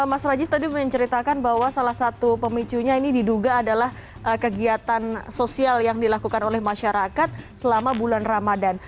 mas rajis tadi menceritakan bahwa salah satu pemicunya ini diduga adalah kegiatan sosial yang dilakukan oleh masyarakat selama bulan ramadan